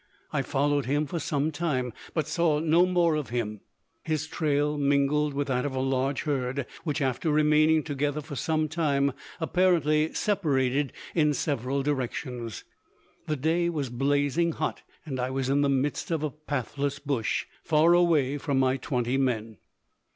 I followed him for some time, but saw no more of him. His trail mingled with that of a large herd, which, after remaining together for some time, apparently separated in several directions. The day was blazing hot, and I was in the midst of a pathless bush, far away from my twenty men.